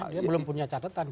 dia belum punya catatan